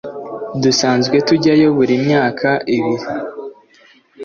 Dusanzwe tujyayo buri myaka ibiri